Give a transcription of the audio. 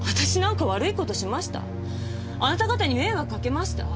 あなた方に迷惑かけました？